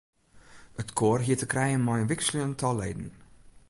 It koar hie te krijen mei in wikseljend tal leden.